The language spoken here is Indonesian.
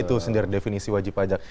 itu sendiri definisi wajib pajak